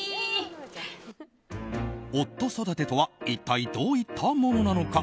夫育てとは一体どういったものなのか。